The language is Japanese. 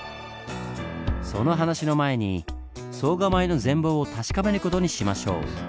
その話の前に総構の全貌を確かめる事にしましょう。